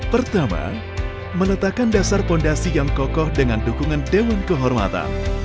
pertama meletakkan dasar fondasi yang kokoh dengan dukungan dewan kehormatan